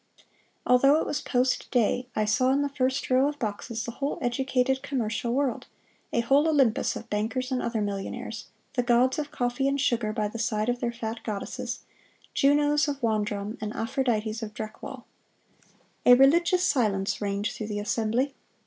Although it was post day, I saw in the first row of boxes the whole educated commercial world, a whole Olympus of bankers and other millionaires, the gods of coffee and sugar by the side of their fat goddesses, Junos of Wandrahm and Aphrodites of Dreckwall. A religious silence reigned through the assembly.